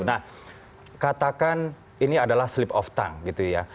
nah katakan ini adalah slip of tongue gitu ya